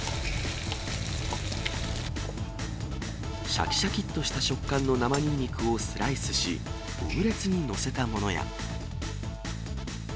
しゃきしゃきっとした食感の生ニンニクをスライスし、オムレツに載せたものや。